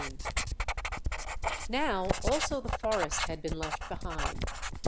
XVII Now also the forest had been left behind.